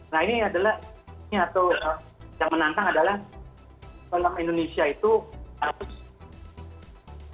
nah ini adalah yang menantang adalah